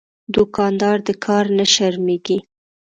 دوکاندار د کار نه شرمېږي.